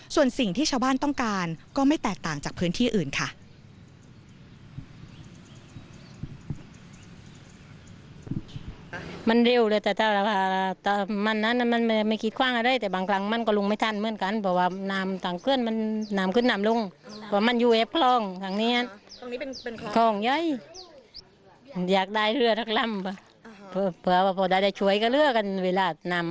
ส่วนสิ่งที่ชาวบ้านต้องการก็ไม่แตกต่างจากพื้นที่อื่นค่ะ